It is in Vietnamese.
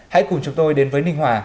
hãy cùng chúng tôi đến với ninh hòa